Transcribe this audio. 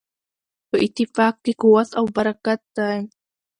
په اتفاق کې قوت او برکت دی.